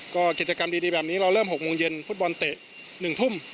ก็กิจกรรมดีแบบนี้เราเริ่ม๖โมงเย็นฟุตบอลเตะ๑ทุ่ม